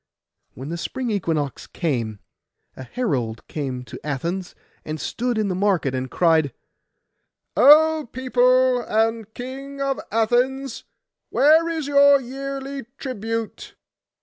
And when the spring equinox came, a herald came to Athens, and stood in the market, and cried, 'O people and King of Athens, where is your yearly tribute?